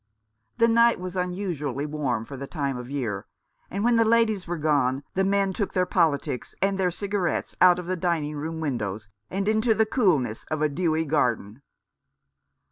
The night was unusually warm for the time of year, and when the ladies were gone the men 363 Rough Justice. took their politics and their cigarettes out of the dining room windows and into the coolness of a dewy garden.